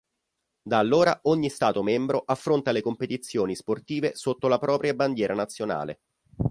Da allora, ogni Stato membro affronta le competizioni sportive sotto la propria bandiera nazionale.